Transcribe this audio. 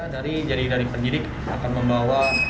dan dari penyidik akan membawa